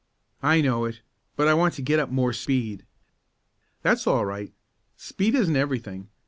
"I know it, but I want to get up more speed." "That's all right. Speed isn't everything.